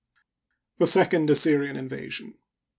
The Second Assyrian Invasion.